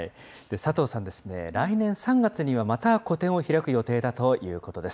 佐藤さんですね、来年３月にはまた個展を開く予定だということです。